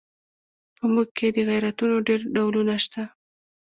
په موږ کې د غیرتونو ډېر ډولونه شته.